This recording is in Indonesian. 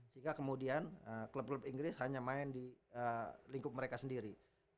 sehingga kemudian klub klub inggris hanya main di lingkup mereka sendiri